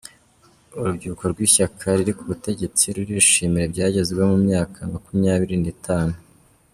Urubyiruko Rwishyaka Ririri kubutegetsi rurishimira ibyagezweho mu myaka Makumyabiri Nitanu